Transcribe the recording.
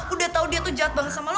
udah tau dia tuh jahat banget sama lo